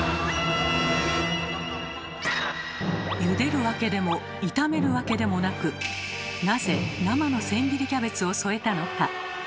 ゆでるわけでも炒めるわけでもなくなぜ生の千切りキャベツを添えたのか。